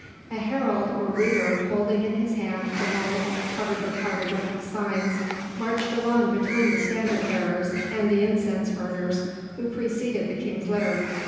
A herald or reader, holding in his hand a roll covered with hieroglyphic signs, marched along between the standard bearers and the incense burners, who preceded the king's litter.